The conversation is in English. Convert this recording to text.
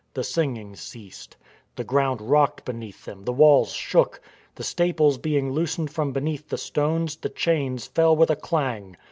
The singing ceased. The ground rocked beneath them; the walls shook. The staples being loosened from between the stones, the chains fell with a clang.